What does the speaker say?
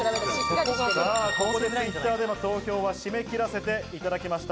ここでＴｗｉｔｔｅｒでの投票は締め切らせていただきました。